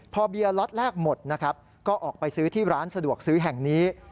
พอเบียร์ล็อตแรกหมดนะครับก็ออกไปซื้อที่ร้านสะดวกซื้อแห่งนี้